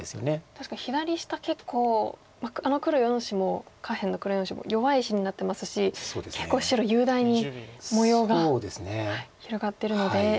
確かに左下結構あの黒４子も下辺の黒４子も弱い石になってますし結構白雄大に模様が広がってるので。